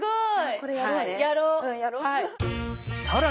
これやろうね。